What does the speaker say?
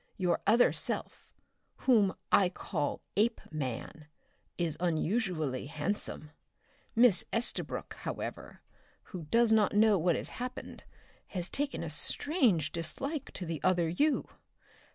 Your other self, whom I call Apeman, is unusually handsome. Miss Estabrook, however, who does not know what has happened, has taken a strange dislike to the other you!